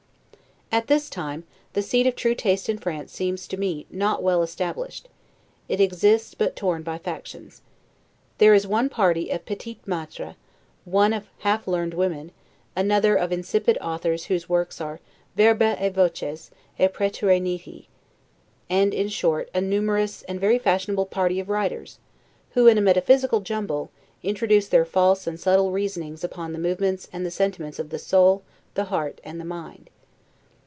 At this time, the seat of true taste in France seems to me not well established. It exists, but torn by factions. There is one party of petits maitres, one of half learned women, another of insipid authors whose works are 'verba et voces, et praeterea nihil'; and, in short, a numerous and very fashionable party of writers, who, in a metaphysical jumble, introduce their false and subtle reasonings upon the movements and the sentiments of THE SOUL, THE HEART, and THE MIND.